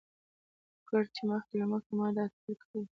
ګر چې مخکې له مخکې يې ما دا اتکل کړى وو.